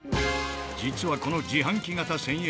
実はこの自販機型１０００円